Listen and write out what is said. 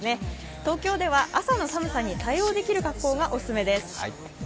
東京では朝の寒さに対応できる格好がおすすめです。